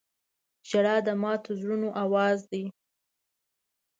• ژړا د ماتو زړونو اواز دی.